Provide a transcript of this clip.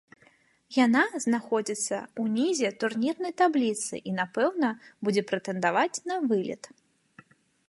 Яна заходзіцца ўнізе турнірнай табліцы і, напэўна, будзе прэтэндаваць на вылет.